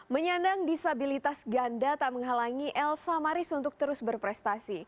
menyandang disabilitas ganda tak menghalangi elsa maris untuk terus berprestasi